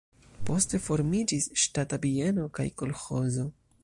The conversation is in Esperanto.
Poste formiĝis ŝtata bieno kaj kolĥozo.